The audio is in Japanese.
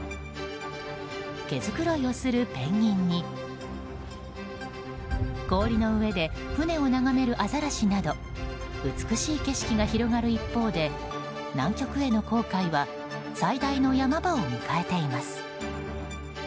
毛づくろいをするペンギンに氷の上で船を眺めるアザラシなど美しい景色が広がる一方で南極への航海は最大の山場を迎えています。